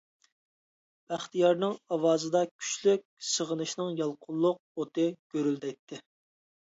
بەختىيارنىڭ ئاۋازىدا كۈچلۈك سېغىنىشنىڭ يالقۇنلۇق ئوتى گۈرۈلدەيتتى.